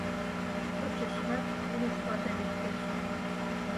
Почешрак Илюш вате лектеш.